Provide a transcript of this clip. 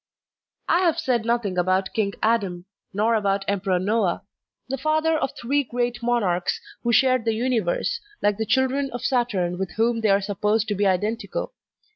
I have said nothing about King Adam nor about Em* peror Noah, the father of three great monarchs who shared the universe, like the children of Saturn with whom they are supposed to be identical.